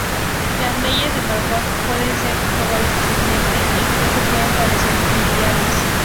Las leyes de De Morgan pueden ser probadas fácilmente, e incluso pueden parecer triviales.